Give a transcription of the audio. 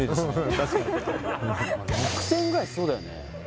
確かに６０００円ぐらいしそうだよね